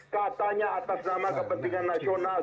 katanya atas nama kepentingan nasional